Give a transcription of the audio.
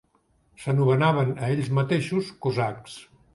S'anomenaven a ells mateixos "cosacs".